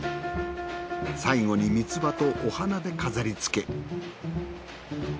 最後に三つ葉とお花で飾り付け。